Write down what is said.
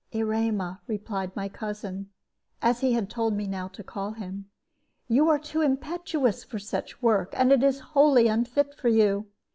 "Erema," replied my cousin, as he had told me now to call him, "you are too impetuous for such work, and it is wholly unfit for you.